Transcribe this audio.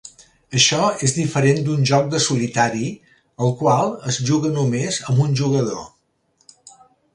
Això és diferent d'un joc de solitari, el qual es juga només amb un jugador.